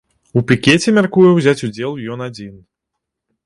У пікеце мяркуе ўзяць удзел ён адзін.